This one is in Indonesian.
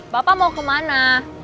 bapak mau kemana